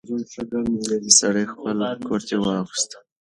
سړی خپل کورتۍ واغوست.